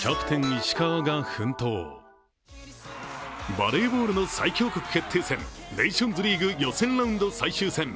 バレーボールの最強国決定戦、ネーションズリーグ予選ラウンド最終戦。